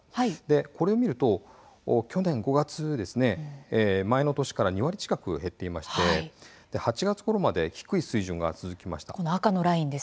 これを見ると去年５月は前の年から２割近く減っていまして８月ころまで低い水準が続きました。